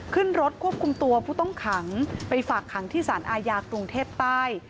ขึ้นรถควบคุมตัวผู้ต้องขังไปฝากขังที่สารอาญากรุงเทพใต้